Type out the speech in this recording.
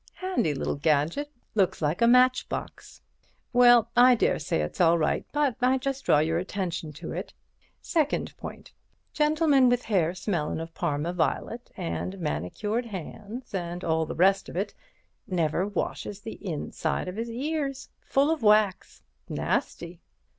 "Handy little gadget. Looks like a matchbox. Well—I daresay it's all right, but I just draw your attention to it. Second point: Gentleman with hair smellin' of Parma violet and manicured hands and all the rest of it, never washes the inside of his ears. Full of wax. Nasty."